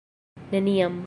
neniam